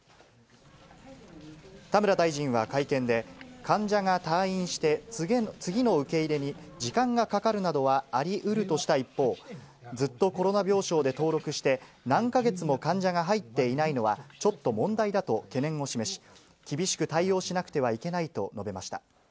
田村大臣は会見で、患者が退院して、次の受け入れに時間がかかるなどはありうるとした一方、ずっとコロナ病床で登録して、何か月も患者が入っていないのは、ちょっと問題だと懸念を示し、厳しく対応しなくてはいけないと述べました。